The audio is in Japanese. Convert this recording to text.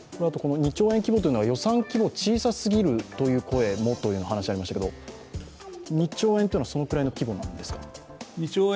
２兆円規模というのは予算規模、小さ過ぎるという話がありましたが２兆円というのはそのくらいの規模なんですか？